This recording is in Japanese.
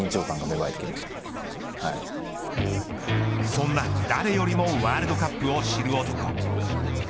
そんな誰よりもワールドカップを知る男。